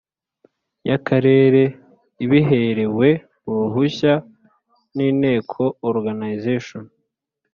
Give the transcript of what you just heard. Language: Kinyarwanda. y Akarere ibiherewe uruhushya n inteko organization